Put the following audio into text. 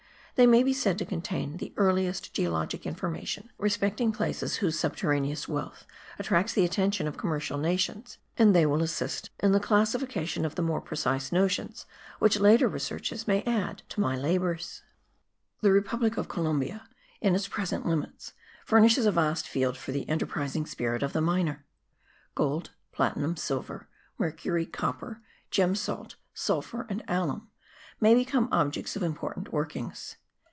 They may be said to contain the earliest geologic information respecting places whose subterraneous wealth attracts the attention of commercial nations; and they will assist in the classification of the more precise notions which later researches may add to my labours. The republic of Colombia, in its present limits, furnishes a vast field for the enterprising spirit of the miner. Gold, platinum, silver, mercury, copper, gem salt, sulphur and alum may become objects of important workings.